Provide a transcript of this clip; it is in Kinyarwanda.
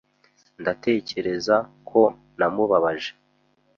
Ndatekereza ko namubabaje.